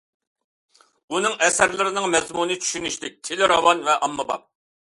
ئۇنىڭ ئەسەرلىرىنىڭ مەزمۇنى چۈشىنىشلىك، تىلى راۋان ۋە ئاممىباب.